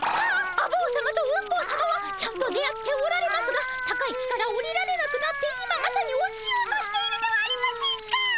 あ坊さまとうん坊さまはちゃんと出会っておられますが高い木から下りられなくなって今まさに落ちようとしているではありませんか！